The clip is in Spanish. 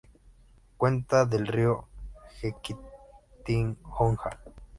Cuenca del río Jequitinhonha.